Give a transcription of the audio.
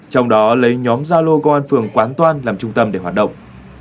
trong đó lấy nhóm gia lô công an phường quán toan làm trung tâm để hoạt động